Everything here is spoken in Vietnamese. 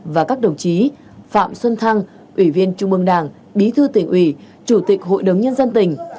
và các đồng chí phạm xuân thăng ủy viên trung mương đảng bí thư tỉnh ủy chủ tịch hội đồng nhân dân tỉnh